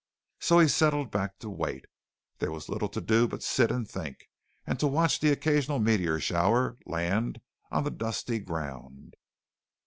So he settled back to wait. There was little to do but sit and think, and to watch the occasional meteor shower land on the dusty ground.